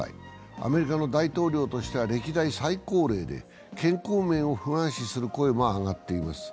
アメリカの大統領としては歴代最高齢で、健康面を不安視する声も上がっています。